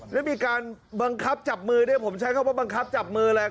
แล้วมีการบังคับจับมือด้วยผมใช้คำว่าบังคับจับมืออะไร